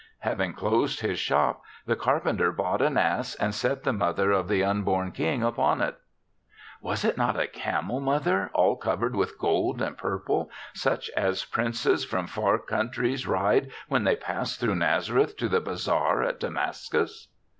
Hav ing closed his shop, the carpenter bought an ass and set the mother of the unborn King upon it/' "Was it not a camel, mother, all covered with gold and purple, such as princes from far countries ride when they pass through Nazareth to the bazaar at Damascus